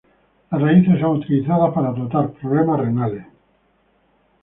Las raíces son utilizadas para tratar problemas renales.